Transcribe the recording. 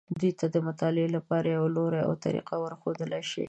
دوی ته د مطالعې لپاره یو لوری او طریقه ورښودلی شي.